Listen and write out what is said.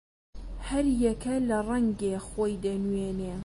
هەر یەکە لە ڕەنگێ خۆی دەنوێنێ